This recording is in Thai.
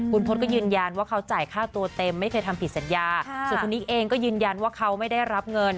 คุณพศก็ยืนยันว่าเขาจ่ายค่าตัวเต็มไม่เคยทำผิดสัญญาส่วนคุณนิกเองก็ยืนยันว่าเขาไม่ได้รับเงิน